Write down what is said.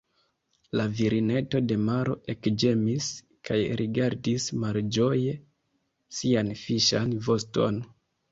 La virineto de maro ekĝemis kaj rigardis malĝoje sian fiŝan voston.